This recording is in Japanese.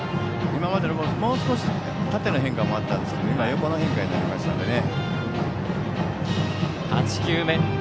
今までのボールは、縦の変化もあったんですけど今は横の変化になりましたのでね。